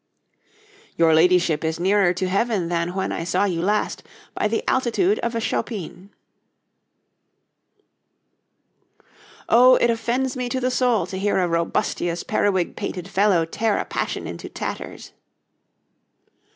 'Your ladyship is nearer to heaven than when I saw you last, by the altitude of a chopine.'[D] [D] Shoes with very high soles. 'O, it offends me to the soul to hear a robustious periwig pated fellow tear a passion into tatters.'